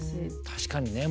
確かにね。